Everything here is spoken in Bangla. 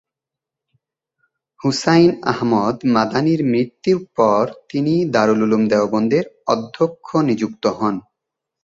হুসাইন আহমদ মাদানির মৃত্যুর পর তিনি দারুল উলুম দেওবন্দের অধ্যক্ষ নিযুক্ত হন।